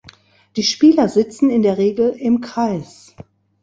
Die Spieler sitzen in der Regel im Kreis.